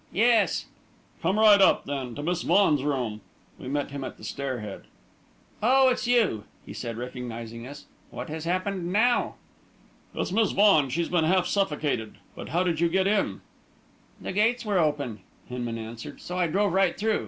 "Yes." "Come right up, then, to Miss Vaughan's room." We met him at the stair head. "Oh, it's you!" he said, recognising us. "What has happened now?" "It's Miss Vaughan she's been half suffocated. But how did you get in?" "The gates were open," Hinman answered, "so I drove right through.